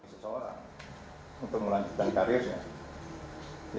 seseorang untuk melanjutkan karyanya